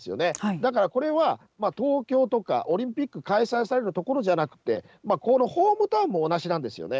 だからこれは東京とかオリンピック開催される所じゃなくて、このホームタウンも同じなんですよね。